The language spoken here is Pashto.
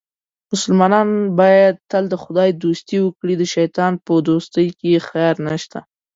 مسلمان باید تل د خدای دوستي وکړي، د شیطان په دوستۍ کې خیر نشته.